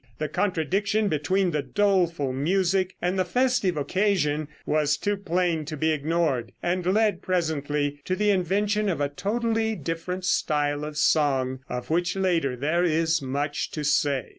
The contradiction between the doleful music and the festive occasion was too plain to be ignored, and led, presently, to the invention of a totally different style of song of which later there is much to say.